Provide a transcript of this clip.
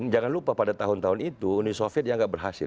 jangan lupa pada tahun tahun itu uni soviet yang tidak berhasil